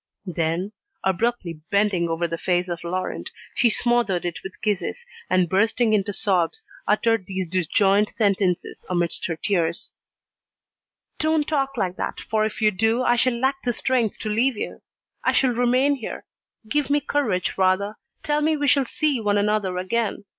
Then, abruptly bending over the face of Laurent, she smothered it with kisses, and bursting into sobs, uttered these disjoined sentences amidst her tears: "Don't talk like that, for if you do, I shall lack the strength to leave you. I shall remain here. Give me courage rather. Tell me we shall see one another again.